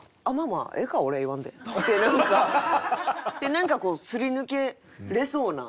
なんかこうすり抜けれそうな。